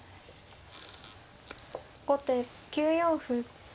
後手９四歩。